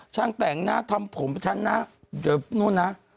ช่างแต่งทำผมช่างหน้าเดี๋ยวนู้นนะ